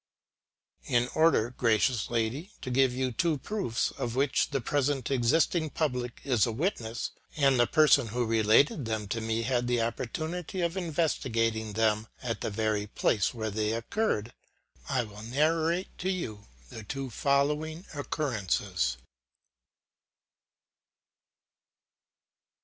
" In order, gracious lady, to give you two proofs, of which the present existing public is a witness, and the person who related them to me had the opportunity of investigating them at the very place where they occurred, I will narrate to you the two following occurrences.